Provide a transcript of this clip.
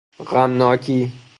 غمناکی